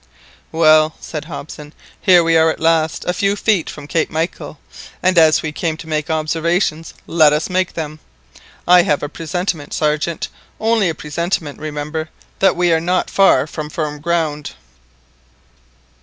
"Well!" said Hobson, "here we are at last, a few feet from Cape Michael, and as we came to make observations, let us make them. I have a presentiment, Sergeant, only a presentiment, remember, that we are not far from firm ground!"